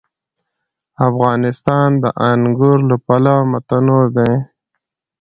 افغانستان د انګور له پلوه متنوع دی.